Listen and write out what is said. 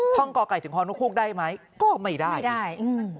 ท่องก่อไก่ถึงฮคุกได้ไหมก็ไม่ได้